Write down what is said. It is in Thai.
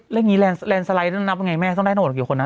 แล้วงี้แลนซไลด์น้ำมันเมียให้ได้โน้นกี่คนนะ